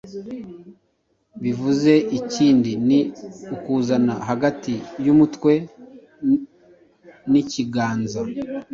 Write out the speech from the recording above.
bivuze ikindi ni ukuzana hagati y umutwe n ikiganza